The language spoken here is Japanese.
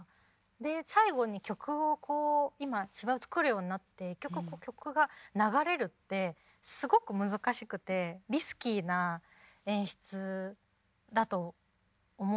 で最後に曲をこう今芝居を作るようになって１曲曲が流れるってすごく難しくてリスキーな演出だと思うんですけど。